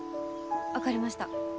分かりました。